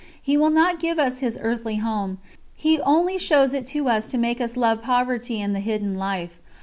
He will not give us His earthly Home He only shows it to us to make us love poverty and the hidden life.